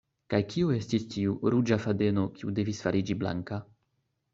Kaj kio estis tiu “ruĝa fadeno” kiu devis fariĝi blanka?